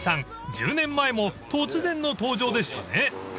１０年前も突然の登場でしたね］